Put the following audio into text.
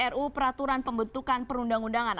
ruu peraturan pembentukan perundang undangan